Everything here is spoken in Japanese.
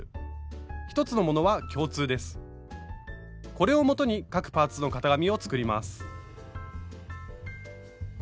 これを基に各パーツの型紙を作ります。